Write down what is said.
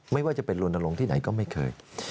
ไม่ว่าจะเป็นลนลงที่ไหนก็ไม่เคย